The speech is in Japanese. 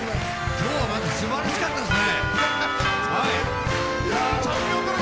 今日はすばらしかったですね。